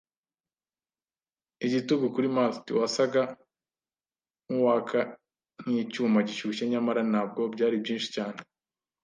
igitugu kuri mast, wasaga nkuwaka nkicyuma gishyushye; nyamara ntabwo byari byinshi cyane